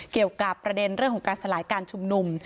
เกี่ยวกับประเด็นเรื่องของการสลายการชุมนุม